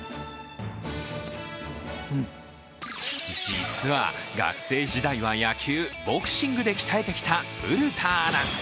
実は学生時代は野球ボクシングで鍛えてきた古田アナ。